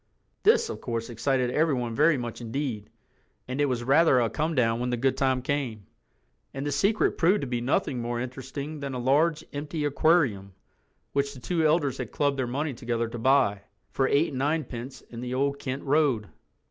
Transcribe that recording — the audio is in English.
This, of course, excited everyone very much indeed—and it was rather a comedown when the good time came, and the secret proved to be nothing more interesting than a large empty aquarium which the two elders had clubbed their money together to buy, for eight and ninepence in the Old Kent Road.